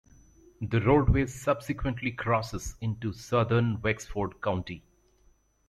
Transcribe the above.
The roadway subsequently crosses into southern Wexford County.